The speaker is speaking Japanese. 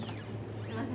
すいません。